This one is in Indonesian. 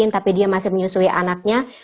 tapi dia masih menyusui anaknya